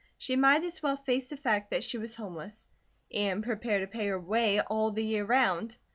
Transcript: She might as well face the fact that she was homeless; and prepare to pay her way all the year round.